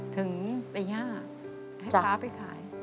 ถึงตี๕ให้พ้าไปขาย